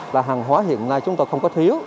và hàng hóa hiện nay chúng tôi không có thiếu